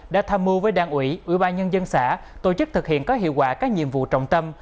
đã tham mưu với đàn ủy ủy ba nhân dân xã tổ chức thực hiện có hiệu quả các nhiệm vụ trọng tâm